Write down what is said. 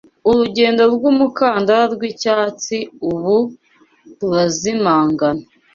Urugendo rwumukandara rwicyatsi ubu rurazimangana